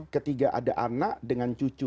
ketika ada anak dengan cucu